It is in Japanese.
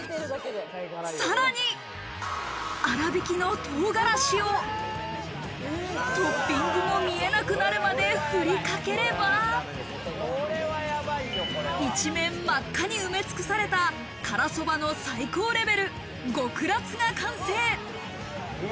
さらにあらびきの唐辛子をトッピングも見えなくなるまで振りかければ、一面真っ赤に埋め尽くされた辛そばの最高レベル・極辣が完成。